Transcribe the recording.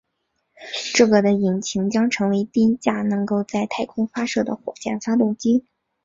这个的引擎将成为第一架能够在太空发射的火箭发动机。